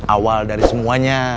awal dari semuanya